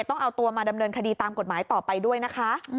ต้องเอาตัวมาดำเนินคดีตามกฎหมายต่อไปด้วยนะคะ